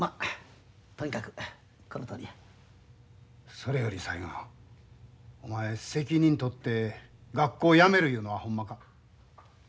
それより雑賀お前責任取って学校やめるいうのはほんまか？